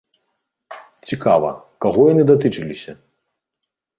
Цікава, каго яны датычыліся?